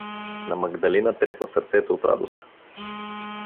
На Магдалина трепна сърцето от радост.